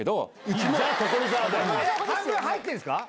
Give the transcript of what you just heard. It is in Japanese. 半分入ってるんですか？